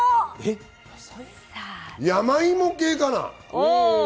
山芋系かな？